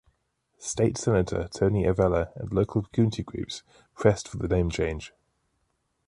State Senator Tony Avella and local community groups pressed for the name change.